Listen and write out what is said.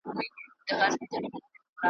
په سپینه ورځ راځم په شپه کي به په غلا راځمه .